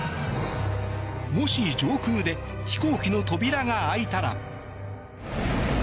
もし、上空で飛行機の扉が開いたら。